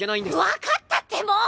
分かったってもう！